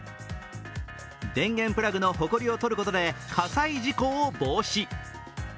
電源プラグのほこりをとることで火災事故を防止。